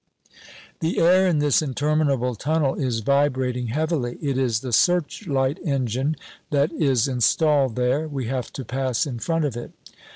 The air in this interminable tunnel is vibrating heavily. It is the searchlight engine that is installed there we have to pass in front of it.